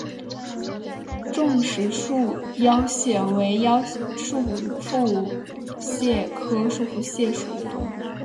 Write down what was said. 重石束腰蟹为束腹蟹科束腰蟹属的动物。